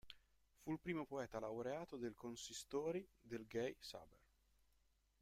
Fu il primo poeta laureato del Consistori del Gay Saber.